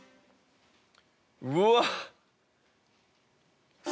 うわっ！